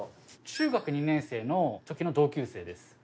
中学２年生のときの同級生です。